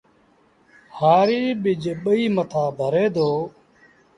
هآريٚ ٻج ٻئيٚ مٿآ ڀري دو